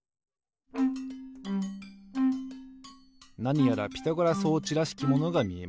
なにやらピタゴラ装置らしきものがみえます。